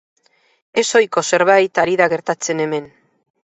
Ezohiko zerbait ari da gertatzen hemen.